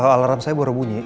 alarm saya baru bunyi